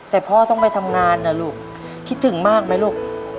แต่พ่อต้องไปทำงานนะลูกคิดถึงมากไหมลูก